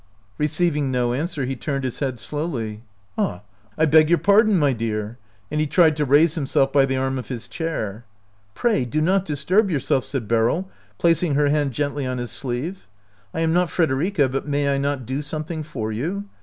" Receiving no answer, he turned his head slowly. "Ah, I beg your pardon, I beg your pardon, my dear," and he tried to raise him self by the arm of his chair. " Pray do not disturb yourself," said Beryl, placing her hand gently on his sleeve. " I am not Frederica, but may I not do something for you?